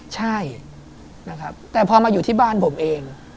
ใช่แต่พอมาอยู่ที่บ้านผมเอง